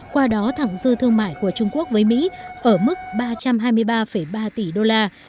qua đó thẳng dư thương mại của trung quốc với mỹ ở mức ba trăm hai mươi ba ba tỷ đô la